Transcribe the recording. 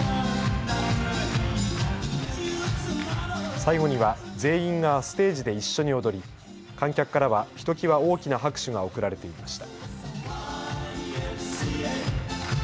最後には全員がステージで一緒に踊り、観客からはひときわ大きな拍手が送られていました。